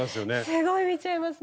すごい見ちゃいますね。